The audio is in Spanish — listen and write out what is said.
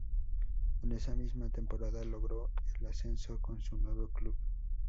En esa misma temporada logró el ascenso con su nuevo club.